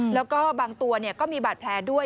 แล้วก็บางตัวก็มีบาดแผลด้วย